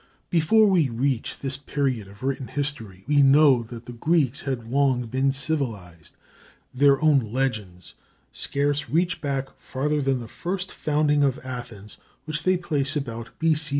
Before we reach this period of written history we know that the Greeks had long been civilized. Their own legends scarce reach back farther than the first founding of Athens, which they place about B.C.